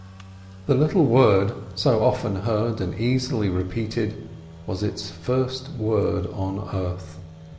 The little word, so often heard and easily repeated, was its first word on earth.